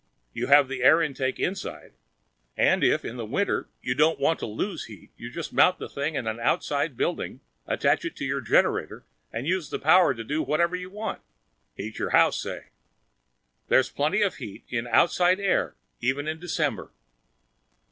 You have an air intake inside. And if, in the winter, you don't want to lose heat, you just mount the thing in an outside building, attach it to your generator and use the power to do whatever you want heat your house, say. There's plenty of heat in the outside air even in December."